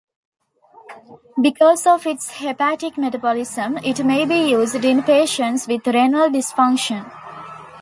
Because of its hepatic metabolism, it may be used in patients with renal dysfunction.